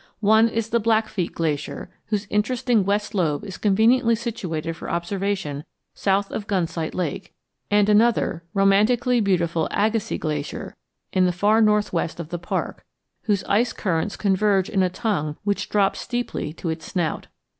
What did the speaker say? One is the Blackfeet Glacier, whose interesting west lobe is conveniently situated for observation south of Gunsight Lake, and another, romantically beautiful Agassiz Glacier, in the far northwest of the park, whose ice currents converge in a tongue which drops steeply to its snout.